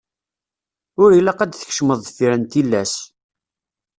Ur ilaq ad d-tkecmeḍ deffir n tillas.